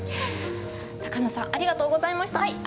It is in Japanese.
野さんありがとうございました。